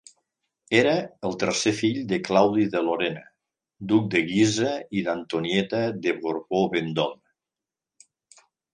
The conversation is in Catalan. Era el tercer fill de Claudi de Lorena, duc de Guisa i d'Antonieta de Borbó-Vendôme.